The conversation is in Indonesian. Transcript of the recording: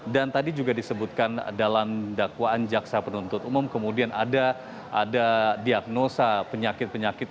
dan tadi juga disebutkan dalam dakwaan jaksa penuntut umum kemudian ada diagnosa penyakit penyakit